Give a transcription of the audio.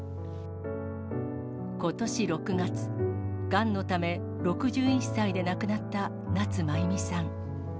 ことし６月、がんのため６１歳で亡くなった夏まゆみさん。